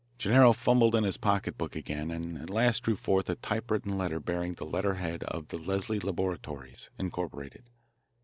Gennaro fumbled in his pocketbook again, and at last drew forth a typewritten letter bearing the letter head of the Leslie Laboratories, Incorporated.